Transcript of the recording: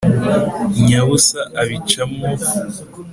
nyabusa abica mwo